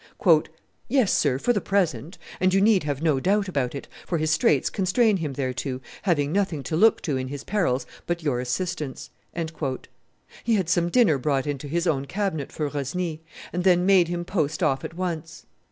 "Yes, sir, for the present; and you need have no doubt about it, for his straits constrain him thereto, having nothing to look to in his perils but your assistance." He had some dinner brought into his own cabinet for Rosny, and then made him post off at once.